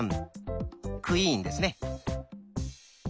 「クイーン」ですね。